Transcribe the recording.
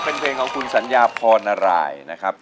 เป็นเพลงของคุณสัญญาพรนารายนะครับ